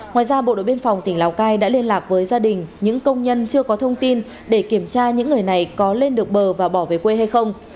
ngoài ra bộ đội biên phòng tỉnh lào cai đã liên lạc với gia đình những công nhân chưa có thông tin để kiểm tra những người này có lên được bờ và bỏ về quê hay không